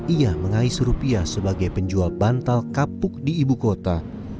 ia mengais rupiah sebagai penjual bantal kapuk di ibu kota